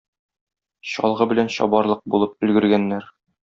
Чалгы белән чабарлык булып өлгергәннәр.